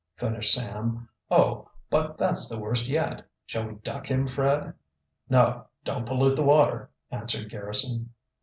finished Sam. "Oh, but that's the worst yet. Shall we duck him, Fred?" "No, don't pollute the water," answered Garrison.